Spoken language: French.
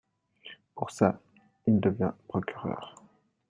Pour ça, il devint procureur.